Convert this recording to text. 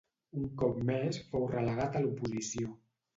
Un cop més fou relegat a l'oposició.